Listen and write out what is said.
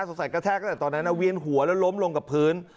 กระแทกตั้งแต่ตอนนั้นเวียนหัวแล้วล้มลงกับพื้น